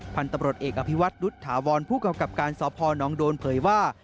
พันธุ์ตำรวจเอกอภิวัตรุษฐาวรผู้กำกับการสพนโดนเผยว่า